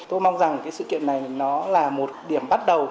tôi mong rằng sự kiện này là một điểm bắt đầu